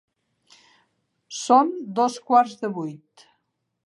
Són dos quarts de vuit.